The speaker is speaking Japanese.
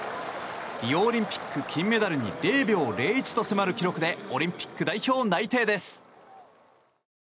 リオオリンピック金メダルに０秒０１と迫る記録でオリンピック代表内定です。